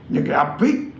những cái áp vích